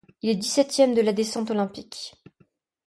Il est dix-septième de la descente olympique.